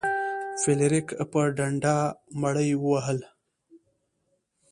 فلیریک په ډنډه مړي وهل.